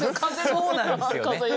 そうなんですよね。